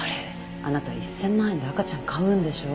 あなた１千万円で赤ちゃん買うんでしょ？